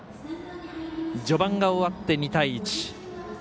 序盤が終わって２対１。